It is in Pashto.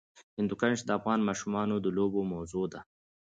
هندوکش د افغان ماشومانو د لوبو موضوع ده.